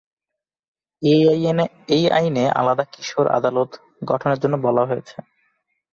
এই আইনে আলাদা কিশোর আদালত গঠনের জন্য বলা হয়েছে।